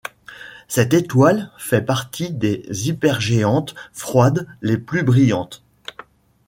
Cette étoile fait partie des hypergéantes froides les plus brillantes.